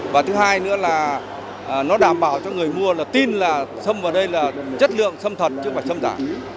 và thứ hai nữa là nó đảm bảo cho người mua tin là sâm vào đây là chất lượng sâm thật chứ không phải sâm giả